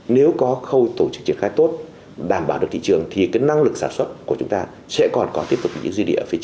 đề ra thưa bộ trưởng